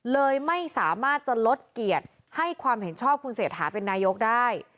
เลยไม่สามารถจะลดเกียรติให้ความเห็นชอบคุณเศรษฐาเป็นนายกได้